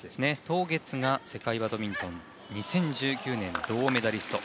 ト・ゲツが世界バドミントン２０１９年の銅メダリスト。